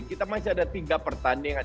kita masih ada tiga pertandingan